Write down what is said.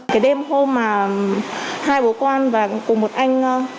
cái đêm hôm mà hai bố con và cùng một anh